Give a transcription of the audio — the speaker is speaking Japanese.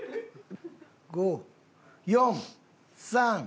５４３２。